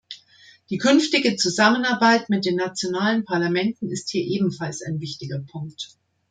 Die künftige Zusammenarbeit mit den nationalen Parlamenten ist hier ebenfalls ein wichtiger Punkt.